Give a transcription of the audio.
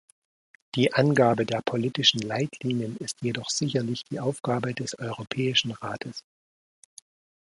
Die Angabe der politischen Leitlinien ist jedoch sicherlich die Aufgabe des Europäischen Rates.